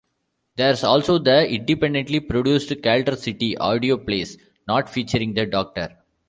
There's also the independently produced "Kaldor City" audio plays, not featuring the Doctor.